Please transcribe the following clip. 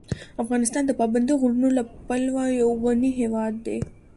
افغانستان د پابندي غرونو له پلوه یو غني هېواد دی.